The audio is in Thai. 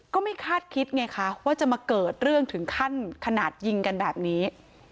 ก็ไม่คาดคิดไงคะว่าจะมาเกิดเรื่องถึงขั้นขนาดยิงกันแบบนี้